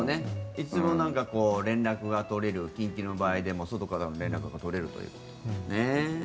いつでも連絡が取れる緊急の場合でも外からの連絡が取れるということですね。